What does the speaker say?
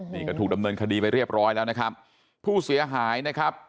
นี่ก็ถูกดำเนินคดีไปเรียบร้อยแล้วนะครับผู้เสียหายนะครับ